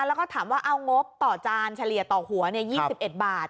แล้วก็ถามว่าเอางบต่อจานเฉลี่ยต่อหัว๒๑บาท